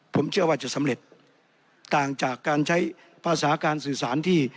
ผมเชื่อว่าจะสำเร็จต่างจากการใช้ภาษาการสื่อสารที่